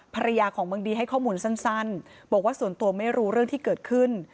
ภรรยาของเมืองดีให้ข้อมูลสั้นบอกว่าส่วนตัวไม่รู้เรื่องที่เกิดขึ้น